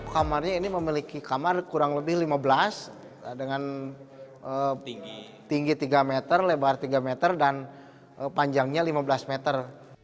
kamarnya ini memiliki kamar kurang lebih lima belas dengan tinggi tiga meter lebar tiga meter dan panjangnya lima belas meter